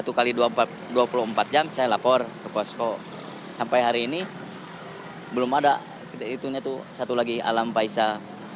jadi dua puluh empat jam saya lapor ke posko sampai hari ini belum ada itu satu lagi alam faisal